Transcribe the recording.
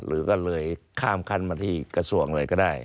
หรือก็เลยข้ามขั้นมาที่กระทรวงเลยก็ได้